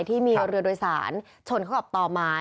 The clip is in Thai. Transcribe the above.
ที่มีเรือโดยสารชนเข้ากับต่อไม้